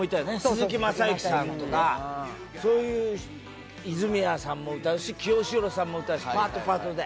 鈴木雅之さんとかそういう泉谷さんも歌うし清志郎さんも歌うしパートパートで。